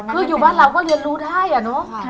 คืออยู่บ้านเราก็เรียนรู้ได้อะเนาะ